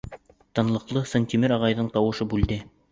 Тынлыҡты Сынтимер ағайҙың тауышы бүлде.